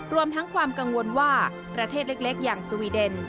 รวมทั้งความกังวลว่าประเทศเล็กอย่างสวีเดน